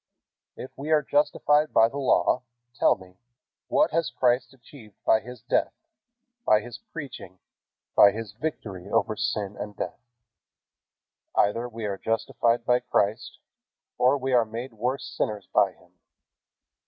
If we are justified by the Law, tell me, what has Christ achieved by His death, by His preaching, by His victory over sin and death? Either we are justified by Christ, or we are made worse sinners by Him."